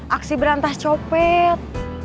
aksi berantas copet